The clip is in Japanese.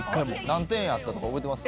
何点やったか覚えてます？